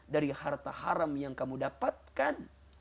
dari harta haram yang kamu dapatkan